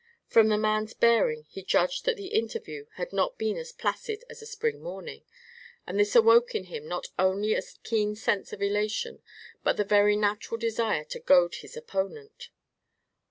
From the man's bearing he judged that the interview had not been as placid as a spring morning, and this awoke in him not only a keen sense of elation but the very natural desire to goad his opponent.